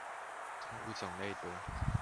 生物種類多